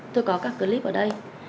tôi có các clip ở đây